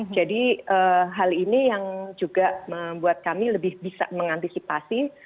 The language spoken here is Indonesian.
jadi hal ini yang juga membuat kami lebih bisa mengantisipasi